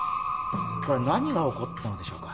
何が起こったのでしょうか？